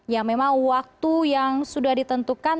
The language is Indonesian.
ya memang waktu yang sudah ditentukan